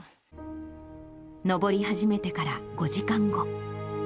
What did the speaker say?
登り始めてから５時間後。